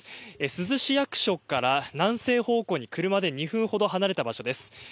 珠洲市役所から南西方向に車で２分ほど離れた場所です。